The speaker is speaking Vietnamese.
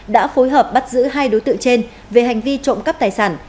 đã phối hợp bắt giữ hai đối tượng trên về hành vi trộm cắp tài sản